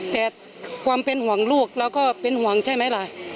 แต่ความเป็นห่วงลูกเราก็เป็นห่วงใช่ไหมล่ะ